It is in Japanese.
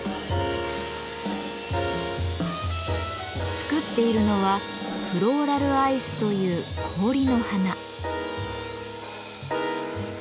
作っているのは「フローラルアイス」という氷の花。